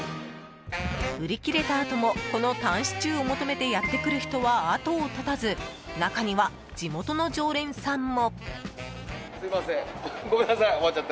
売り切れたあともこのタンシチューを求めてやってくる人は後を絶たず中には地元の常連さんも。